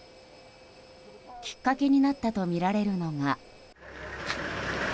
きっかけになったとみられるのが。